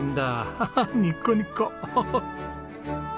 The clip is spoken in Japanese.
ハハッニッコニコ。